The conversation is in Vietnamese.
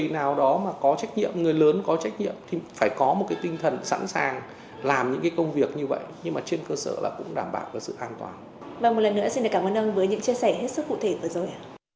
một lần nữa xin cảm ơn ông với những chia sẻ hết sức cụ thể vừa rồi